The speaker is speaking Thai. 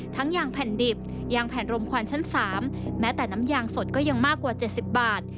ยางแผ่นดิบยางแผ่นรมควันชั้น๓แม้แต่น้ำยางสดก็ยังมากกว่า๗๐บาท